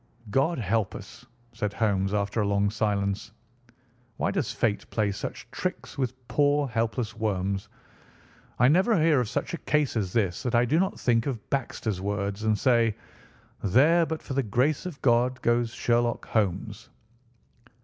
"God help us!" said Holmes after a long silence. "Why does fate play such tricks with poor, helpless worms? I never hear of such a case as this that I do not think of Baxter's words, and say, 'There, but for the grace of God, goes Sherlock Holmes.